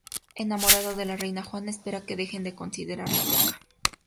Enamorado de la reina Juana, espera que dejen de considerarla loca.